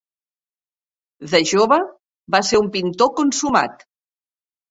De jove, va ser un pintor consumat.